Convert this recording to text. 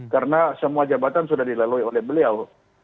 karena semua jabatan sudah dilalui oleh beliau